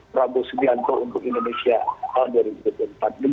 prabowo subianto untuk indonesia tahun dua ribu dua puluh empat